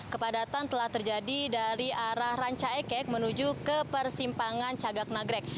kepadatan telah terjadi dari arah ranca ekek menuju ke persimpangan cagak nagrek